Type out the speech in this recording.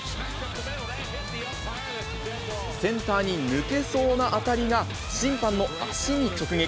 センターに抜けそうな当たりが、審判の足に直撃。